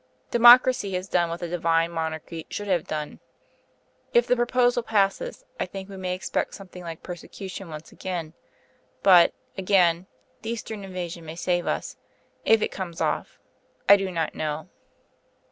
Democracy has done what the Divine Monarchy should have done. If the proposal passes I think we may expect something like persecution once more.... But, again, the Eastern invasion may save us, if it comes off.... I do not know...."